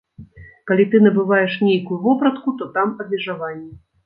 Калі ты набываеш нейкую вопратку, то там абмежаванні.